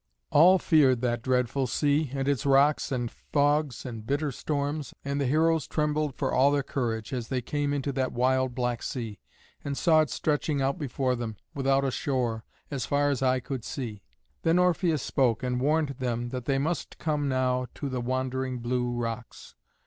All feared that dreadful sea, and its rocks and fogs and bitter storms, and the heroes trembled for all their courage, as they came into that wild Black Sea, and saw it stretching out before them, without a shore, as far as eye could see. Then Orpheus spoke and warned them that they must come now to the wandering blue rocks.